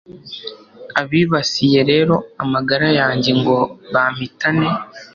Abibasiye rero amagara yanjye ngo bampitane